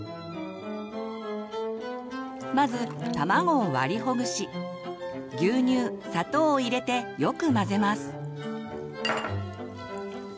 まず卵を割りほぐし牛乳砂糖を入れてよく混ぜます。